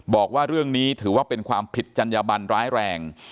บอกว่าเรื่องนี้ถือว่าเป็นความผิดจัญญบันร้ายแรง